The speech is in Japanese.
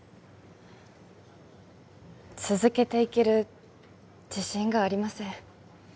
続けていける自信がありません